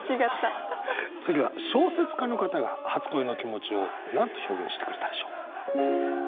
次は小説家の方が初恋の気持ちを何と表現してくれたでしょう？